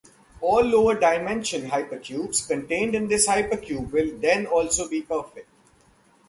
All lower dimension hypercubes contained in this hypercube will then also be perfect.